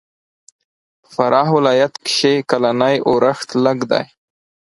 په فراه ولایت کښې کلنی اورښت لږ دی.